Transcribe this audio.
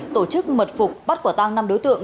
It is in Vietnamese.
tổ chức mật phục bắt quả tăng năm đối tượng